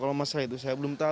kalau masalah itu saya belum tahu